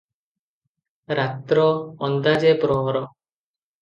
ରାତ୍ର ଅନ୍ଦାଜ ଏକ ପହର ।